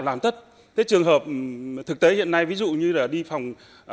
làm tất trường hợp thực tế hiện nay ví dụ như đi phòng